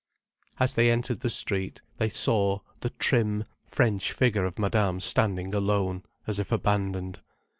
As they entered the street, they saw the trim, French figure of Madame standing alone, as if abandoned.